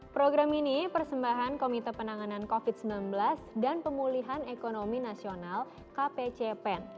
program ini persembahan komite penanganan covid sembilan belas dan pemulihan ekonomi nasional kpcpen